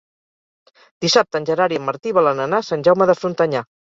Dissabte en Gerard i en Martí volen anar a Sant Jaume de Frontanyà.